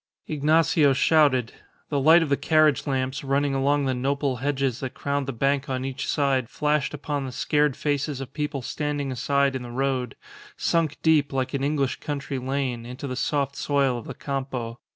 Ignacio shouted. The light of the carriage lamps, running along the nopal hedges that crowned the bank on each side, flashed upon the scared faces of people standing aside in the road, sunk deep, like an English country lane, into the soft soil of the Campo.